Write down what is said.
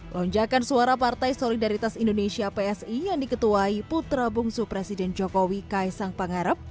lonjakan suara partai solidaritas indonesia psi yang diketuai putra bungsu presiden jokowi kaisang pangarep